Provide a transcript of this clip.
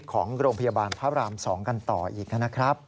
ของโรงพยาบาลพระราม๒กันต่ออีกนะครับ